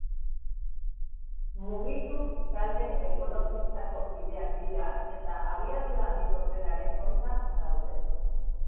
Mugitu talde ekologistako kideak dira eta abiadura handiko trenaren kontra daude.